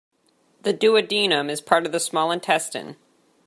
The Duodenum is part of the small intestine.